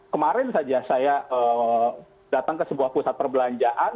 kemarin saja saya datang ke sebuah pusat perbelanjaan